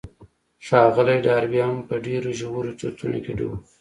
ښاغلی ډاربي هم په ډېرو ژورو چورتونو کې ډوب و.